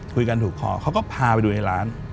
คุยกันถูกคอเขาก็พาไปดูในร้าน